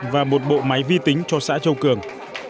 và một bộ máy vi tính cho xã châu cường